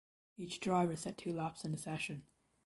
Each driver set two laps in the session.